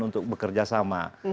untuk bekerja sama